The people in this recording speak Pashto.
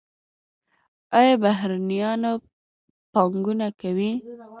آیا بهرنیان پانګونه کوي؟